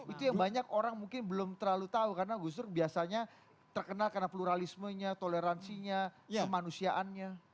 itu yang banyak orang mungkin belum terlalu tahu karena gus dur biasanya terkenal karena pluralismenya toleransinya kemanusiaannya